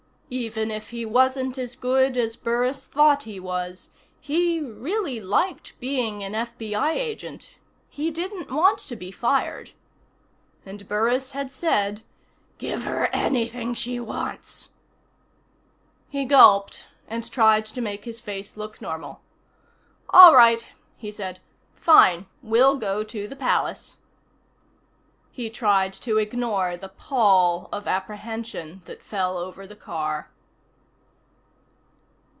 Even if he wasn't as good as Burris thought he was, he really liked being an FBI agent. He didn't want to be fired. And Burris had said: "Give her anything she wants." He gulped and tried to make his face look normal. "All right," he said. "Fine. We'll go to the Palace." He tried to ignore the pall of apprehension that fell over the car.